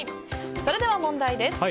それでは問題です。